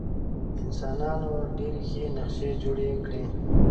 انسانانو ډېرې ښې نقشې جوړې کړې.